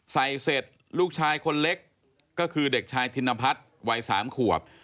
เสร็จลูกชายคนเล็กก็คือเด็กชายธินพัฒน์วัย๓ขวบ